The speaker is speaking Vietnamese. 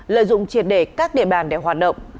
lợi dụng triệt để các địa bàn để hoạt động